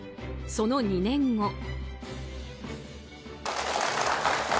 その２年後。